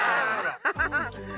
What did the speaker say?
ハハハッ。